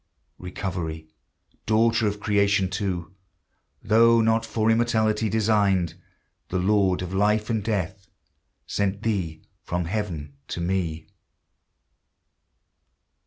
Recovery, daughter of Creation too, Though not for immortality designed, The Lord of life and death Sent thee from heaven to me!